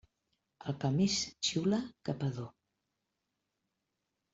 El que més xiula, capador.